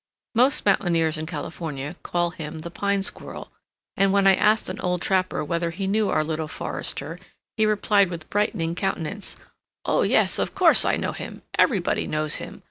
Most mountaineers in California call him the Pine Squirrel; and when I asked an old trapper whether he knew our little forester, he replied with brightening countenance: "Oh, yes, of course I know him; everybody knows him.